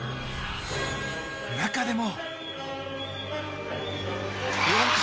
中でも